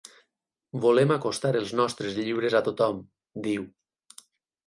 Volem acostar els nostres llibres a tothom, diu.